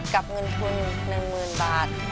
กับเงินทุน๑หมื่นบาท